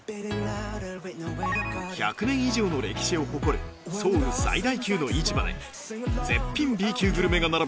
１００年以上の歴史を誇るソウル最大級の市場で絶品 Ｂ 級グルメが並ぶ